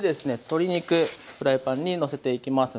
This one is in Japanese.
鶏肉フライパンにのせていきます。